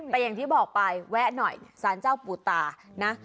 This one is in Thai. แต่อย่างที่บอกไปแวะหน่อยสารเจ้าปู่ตานะ